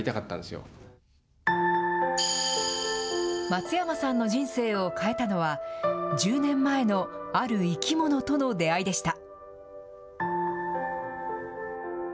松山さんの人生を変えたのは、１０年前のある生き物との出会いでした。